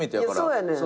そうやねん。